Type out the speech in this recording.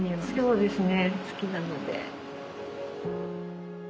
そうですね。